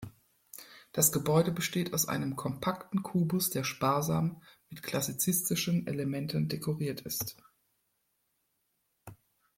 Das Gebäude besteht aus einem kompakten Kubus, der sparsam mit klassizistischen Elementen dekoriert ist.